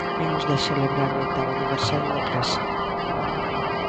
Vimos de celebrar o oitavo aniversario de Praza.